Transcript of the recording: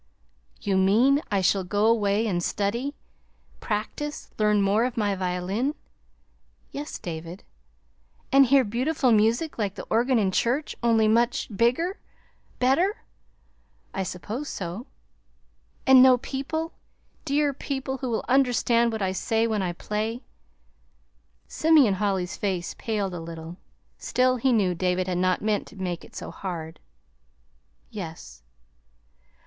"You mean, I shall go away and study practice learn more of my violin?" "Yes, David." "And hear beautiful music like the organ in church, only more bigger better?" "I suppose so.". "And know people dear people who will understand what I say when I play?" Simeon Holly's face paled a little; still, he knew David had not meant to make it so hard. "Yes."